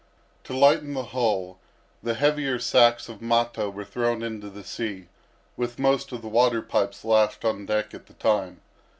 To lighten the hull, the heavier sacks of mata were thrown into the sea, with most of the water pipes lashed on deck at the time.